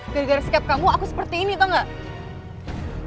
gara gara sikap kamu aku seperti ini tau gak